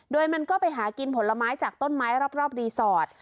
โดยมันก็ไปหากินผลไม้จากต้นไม้รอบรีสอร์ท